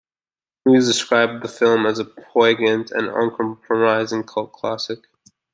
Movies described the film as a "poignant and uncompromising cult classic".